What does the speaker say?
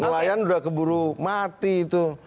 nelayan sudah keburu mati itu